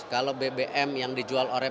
kalau bbm yang dijual oleh